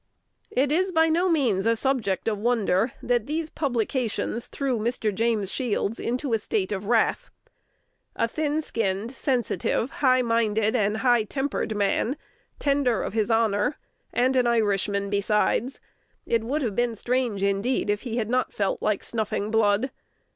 It is by no means a subject of wonder that these publications threw Mr. James Shields into a state of wrath. A thin skinned, sensitive, high minded, and high tempered man, tender of his honor, and an Irishman besides, it would have been strange indeed, if he had not felt like snuffing blood.